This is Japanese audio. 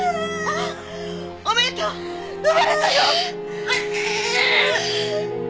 おめでとう産まれたよ！